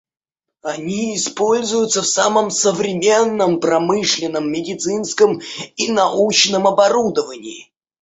Они используются в самом современном промышленном, медицинском и научном оборудовании.